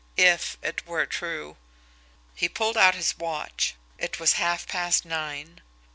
If it were true! He pulled out his watch. It was half past nine.